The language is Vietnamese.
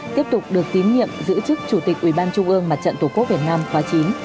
tiếp tục được tín nhiệm giữ chức chủ tịch ủy ban trung ương mặt trận tổ quốc việt nam khóa chín